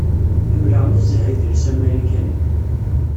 Ḥemleɣ nezzah idles amarikani